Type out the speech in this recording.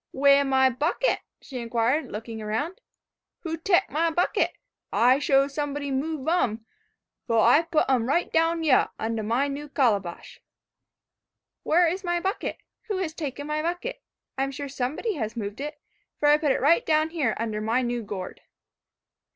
"Wey my bucket?" she inquired, looking around. "Who tek my bucket? I sho' somebody moob um; fuh I put um right down yuh, under my new calabash."[#] [#] "Where is my bucket? Who has taken my bucket? I am sure somebody has moved it, for I put it right down here under my new gourd."